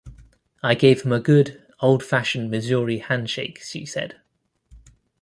I gave him a good, old-fashioned Missouri handshake, she said.